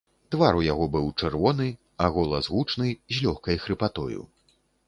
Твар у яго быў чырвоны, а голас гучны, з лёгкай хрыпатою.